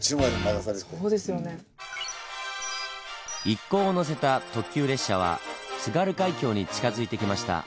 一行を乗せた特急列車は津軽海峡に近づいてきました。